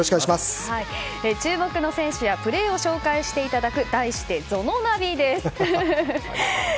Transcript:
注目のプレーや選手を紹介していただく題してぞのナビです。